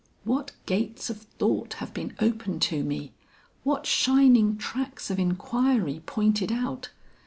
What gates of thought have been opened to me! What shining tracks of inquiry pointed out!